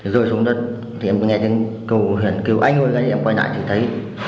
rồi xuống đó thì em nghe tiếng cầu hiền kêu anh ơi em quay lại thì thấy